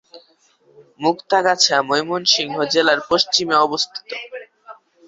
মুক্তাগাছা ময়মনসিংহ জেলার পশ্চিমে অবস্থিত।